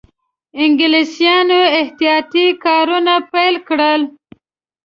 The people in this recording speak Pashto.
انګلیسیانو احتیاطي کارونه پیل کړل.